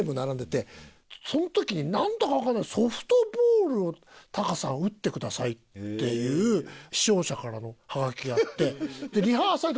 その時になんだかわかんない「ソフトボールをタカさん打ってください」っていう視聴者からのはがきがあってリハーサルで打ってた。